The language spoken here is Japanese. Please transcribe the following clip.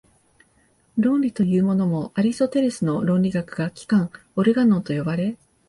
論理というものも、アリストテレスの論理学が「機関」（オルガノン）と呼ばれ、